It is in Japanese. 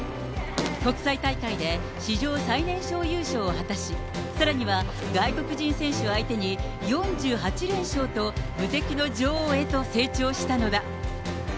国際大会で史上最年少優勝を果たし、さらには外国人選手を相手に、４８連勝と、無敵の女王へと成長したのだ。